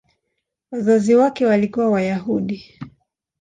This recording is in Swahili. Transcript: Wazazi wake walikuwa Wayahudi.